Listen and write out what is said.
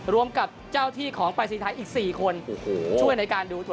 รวมกับเจ้าที่ของไปสีไทยอีก๔คนช่วยในการดูตรวจตา